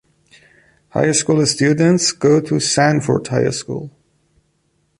High school students go to Sanford High School.